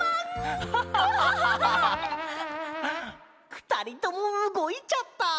ふたりともうごいちゃった。